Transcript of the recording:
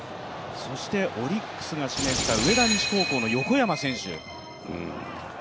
そして、オリックスが指名した上田西高校の横山選手。